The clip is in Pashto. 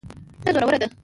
مینه زوروره ده.